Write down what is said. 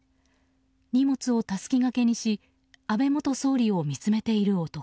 荷物をたすき掛けにし安倍元総理を見つめている男。